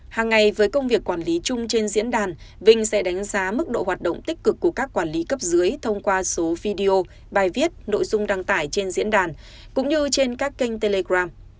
hàng ngày với công việc quản lý chung trên diễn đàn vinh sẽ đánh giá mức độ hoạt động tích cực của các quản lý cấp dưới thông qua số video bài viết nội dung đăng tải trên diễn đàn cũng như trên các kênh telegram